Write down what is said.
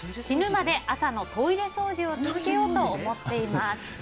死ぬまで朝のトイレ掃除を続けようと思っています。